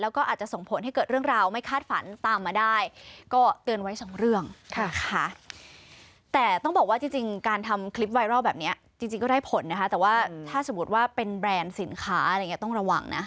ว่าเป็นแบรนด์สินค้าอะไรอย่างนี้ต้องระวังนะ